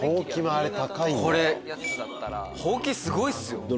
これほうきすごいっすよ